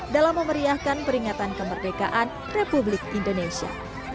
dalam memeriahkan peringatan kemerdekaan republik indonesia